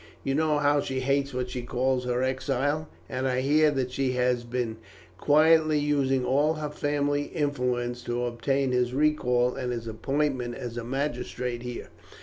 You know how she hates what she calls her exile, and I hear that she has been quietly using all her family influence to obtain his recall and his appointment as a magistrate here.